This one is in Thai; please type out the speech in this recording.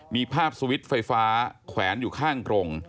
มีภาพสวิตช์ไฟฟ้าแขวนอยู่ข้างกรง